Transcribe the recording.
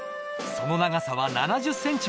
その長さは７０ｃｍもある。